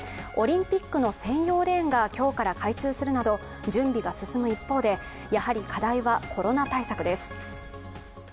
オリンピックの専用レーンが今日から開通するなど準備が進む一方で、やはり課題はコロナ対策です。